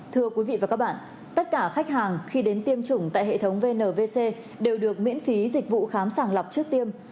thưa quý vị và các bạn tất cả khách hàng khi đến tiêm chủng tại hệ thống vnvc đều được miễn phí dịch vụ khám sàng lọc trước tiêm